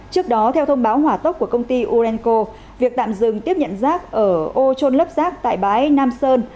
trước đó theo thông báo hỏa tốc của công ty urenco việc tạm dừng tiếp nhận rác ở ô trôn lấp rác tại bãi nam sơn